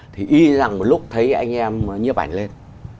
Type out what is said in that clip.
thì y là một lúc thấy anh em nhếp ảnh lên